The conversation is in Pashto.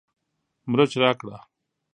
مرچ راکړه